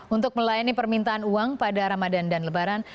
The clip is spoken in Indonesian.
untuk melayani permintaan uang pada ramadan dan lebaran